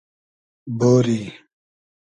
بۉری